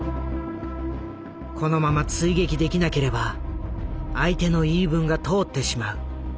このまま追撃できなければ相手の言い分が通ってしまう。